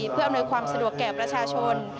เพื่ออำนวยความสะดวกแก่ประชาชน